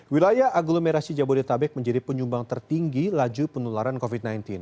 wilayah aglomerasi jabodetabek menjadi penyumbang tertinggi laju penularan covid sembilan belas